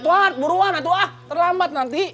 edward buruan edward terlambat nanti